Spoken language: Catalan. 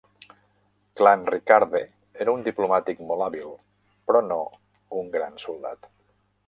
Clanricarde era un diplomàtic molt hàbil però no un gran soldat.